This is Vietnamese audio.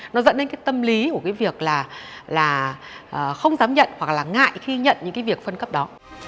nó dẫn đến cái tâm lý của cái việc là không dám nhận hoặc là ngại khi nhận những cái việc phân cấp đó